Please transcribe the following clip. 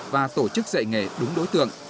và tổ chức dạy nghề đúng đối tượng